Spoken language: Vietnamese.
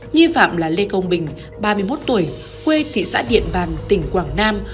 nghi phạm là lê công bình ba mươi một tuổi quê thị xã điện bàn tỉnh quảng nam